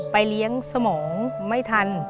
เลี้ยงสมองไม่ทัน